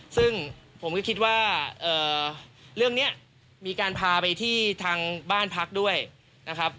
ซึ่งผมก็คิดว่าเรื่องนี้มีการพาไปที่ทางบ้านพักด้วยนะครับ